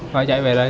bỏ chạy về đây